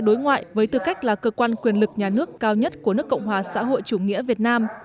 đối ngoại với tư cách là cơ quan quyền lực nhà nước cao nhất của nước cộng hòa xã hội chủ nghĩa việt nam